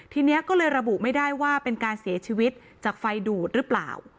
ทีนี้ก็เลยระบุไม่ได้ว่าเป็นการเสียชีวิตจากไฟดูดหรือเปล่า